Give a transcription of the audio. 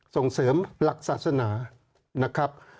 ส่งเสริมหลักศาสนานะครับ